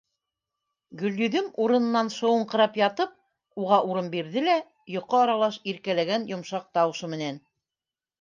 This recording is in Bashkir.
Гөлйөҙөм, урынынан шыуыңҡырап ятып, уға урын бирҙе лә, йоҡо аралаш иркәләгән йомшаҡ тауышы менән: